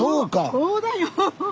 そうだよ。